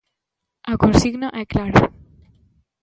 A consigna é clara.